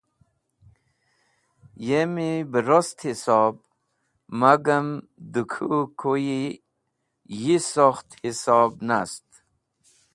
Yemi bẽ rost hisob magma dẽ kũ kuyi yi sokht hisob nast.